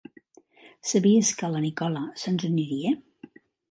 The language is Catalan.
Sabies que la Nikola se'ns uniria?